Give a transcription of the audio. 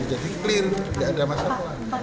jadi clear nggak ada masalah